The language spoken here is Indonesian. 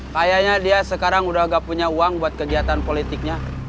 kayaknya dia sekarang udah gak punya uang buat kegiatan politiknya